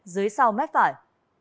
dưới sau mép phải